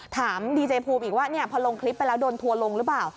ถามดีเจภูมิอีกว่าพอลงคลิปไปแล้วโดนทัวร์ลงหรือเปล่า